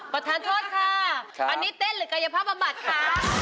ประธานโทษค่ะอันนี้เต้นหรือกายภาพบำบัดค่ะ